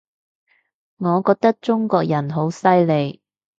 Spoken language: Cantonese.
我覺得中國人好犀利